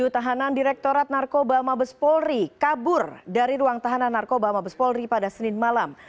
tujuh tahanan direktorat narkoba mabes polri kabur dari ruang tahanan narkoba mabes polri pada senin malam